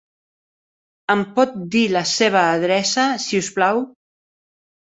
Em pot dir la seva adreça, si us plau?